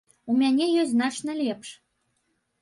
У мяне ёсць значна лепш!